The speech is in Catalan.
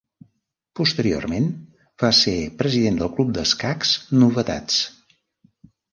Posteriorment va ser president del Club d'Escacs Novetats.